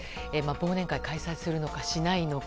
某根会を開催するのかしないのか。